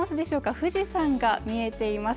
富士山が見えています